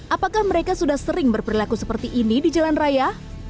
apakah mereka sudah sering berperilaku seperti ini di jalan raya